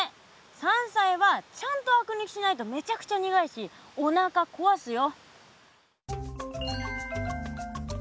山菜はちゃんとあく抜きしないとめちゃくちゃ苦いしおなかこわすよ。